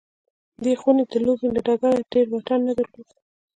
دې خونې د لوبې له ډګره ډېر واټن نه درلود